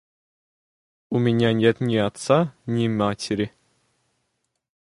– У меня нет ни отца, ни матери.